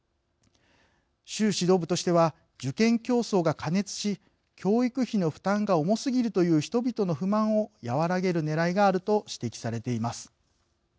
習指導部としては受験競争が過熱し教育費の負担が重すぎるという人々の不満を和らげるねらいがあると指摘されています。